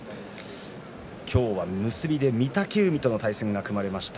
今日は結びで御嶽海との対戦が組まれました。